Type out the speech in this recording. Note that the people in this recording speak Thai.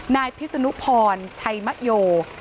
นายพิศนุพรชัยมะโย